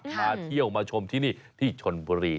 มาเที่ยวมาชมที่นี่ที่ชนบุรี